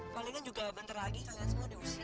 palingan juga bentar lagi kalian semua deh husein ya